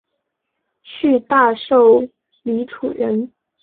诸大绶漓渚人。